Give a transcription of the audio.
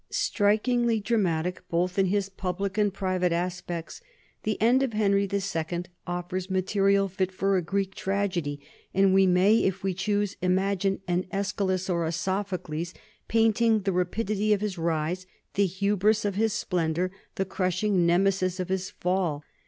Strikingly dramatic both in its public and private aspects, the end of Henry II offers material fit for a Greek tragedy, and we may, if we choose, imagine an ^Eschylus or a Sophocles painting the rapidity of his rise, the hybris of his splendor, and the crushing nemesis of his fall.